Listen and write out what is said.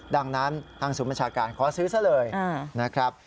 ดังนั้นทางสุมชาการขอซื้อเสลยนะครับ